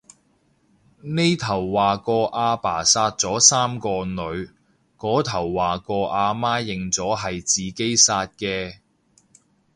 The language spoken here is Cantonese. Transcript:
呢頭話個阿爸殺咗三個女，嗰頭話個阿媽認咗係自己殺嘅